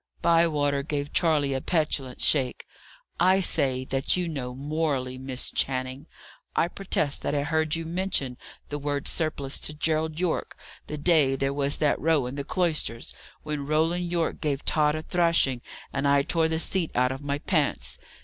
Bywater gave Charley a petulant shake. "I say that you know morally, Miss Channing. I protest that I heard you mention the word 'surplice' to Gerald Yorke, the day there was that row in the cloisters, when Roland Yorke gave Tod a thrashing and I tore the seat out of my pants.